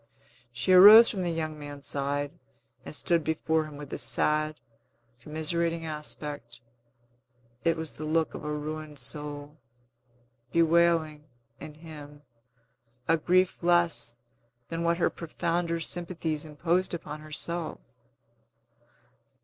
She arose from the young man's side, and stood before him with a sad, commiserating aspect; it was the look of a ruined soul, bewailing, in him, a grief less than what her profounder sympathies imposed upon herself.